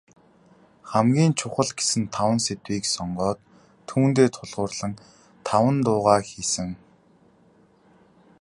Хамгийн чухал гэсэн таван сэдвийг сонгоод, түүндээ тулгуурлан таван дуугаа хийсэн.